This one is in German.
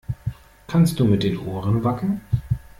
Kannst du mit den Ohren wackeln?